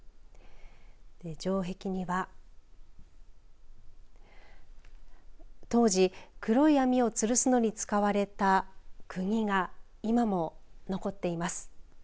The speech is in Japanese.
城壁には当時、黒い網をつるすのに使われたくぎが今も残っています。